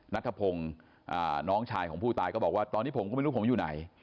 นัทพงศ์น้องชายของผู้ตายก็บอกว่าตอนนี้ผมก็ไม่รู้ผมอยู่ไหน